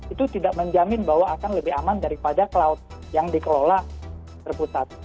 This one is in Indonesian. itu tidak menjamin bahwa akan lebih aman daripada cloud yang dikelola terpusat